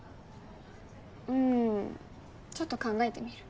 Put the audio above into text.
うんちょっと考えてみる。